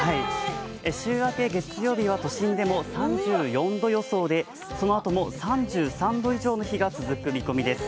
週明け月曜日は都心でも３４度予想でそのあとも３３度以上の日が続く見込みです。